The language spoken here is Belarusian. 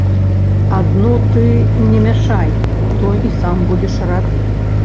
Адно ты не мяшай, то і сам будзеш рад.